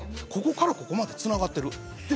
ここからここまで、つながっている。